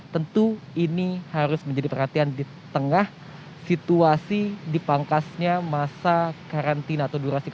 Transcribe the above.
tentu ini harus menjadi perhatian di tengah situasi dipangkasnya masa karantina atau durasi